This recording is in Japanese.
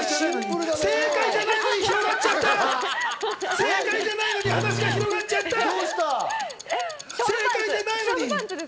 正解じゃないのに広がちゃったよ。